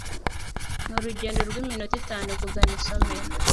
Ni urugendo rw'iminota itanu kugana isomero.